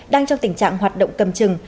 đang trong tình trạng hoạt động cầm chừng